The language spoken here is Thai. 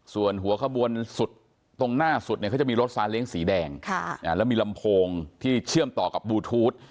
ส่วนหัวขบวนสุดตรงหน้าสุดเนี่ยเขาจะมีรถซาเล้งสีแดงแล้วมีลำโพงที่เชื่อมต่อกับบลูทูธ